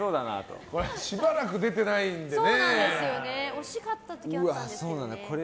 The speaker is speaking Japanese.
しばらく出てないんでね。